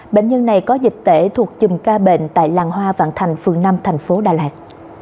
bệnh nhân này có dịch tễ thuộc chùm ca bệnh tại làng hoa vạn thành phường năm thành phố đà lạt